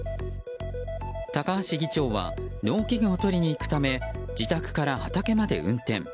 高橋議長は農機具を取りに行くため自宅から畑まで運転。